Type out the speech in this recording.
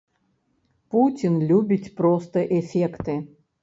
Пуцін любіць проста эфекты.